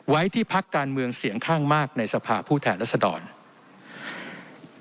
ไว้ที่พักการเมืองเสียงข้างมากในสภาพผู้แทนรัศดร